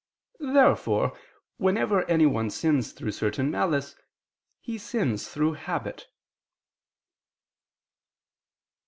Therefore whenever anyone sins through certain malice, he sins through habit.